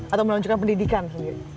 atau menunjukkan pendidikan sendiri